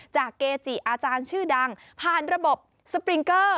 เกจิอาจารย์ชื่อดังผ่านระบบสปริงเกอร์